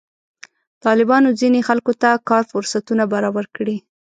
طالبانو ځینې خلکو ته کار فرصتونه برابر کړي.